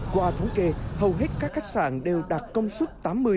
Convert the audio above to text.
qua thống kê hầu hết các khách sạn đều đạt công suất tám mươi một trăm linh